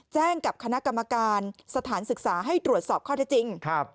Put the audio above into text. กับคณะกรรมการสถานศึกษาให้ตรวจสอบข้อเท็จจริง